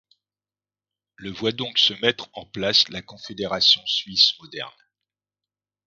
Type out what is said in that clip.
Le voit donc se mettre en place la Confédération suisse moderne.